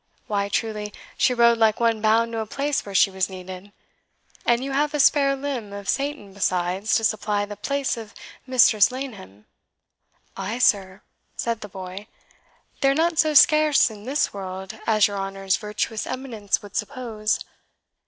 "Why, truly, she rode like one bound to a place where she was needed. And you have a spare limb of Satan, besides, to supply the place of Mistress Laneham?" "Ay, sir," said the boy; "they are not so scarce in this world as your honour's virtuous eminence would suppose.